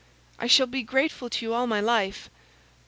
"I shall be grateful to you all my life."